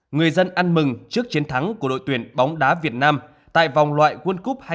người dân ăn mừng trước chiến thắng của đội tuyển bóng đá việt nam tại vòng loại world cup hai nghìn hai